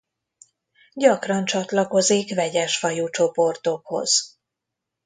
Gyakran csatlakozik vegyes fajú csoportokhoz.